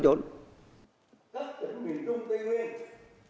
thấp ở miền trung tây nguyên